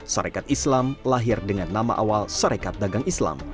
sarekat islam lahir dengan nama awal sarekat dagang islam